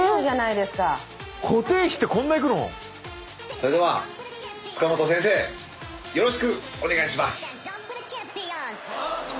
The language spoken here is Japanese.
それでは塚本先生よろしくお願いします。